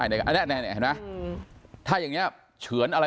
นี่เห็นไหมถ้าอย่างนี้เฉือนอะไร